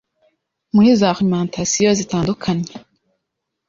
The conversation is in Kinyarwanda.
muri za alimentation zitandukanue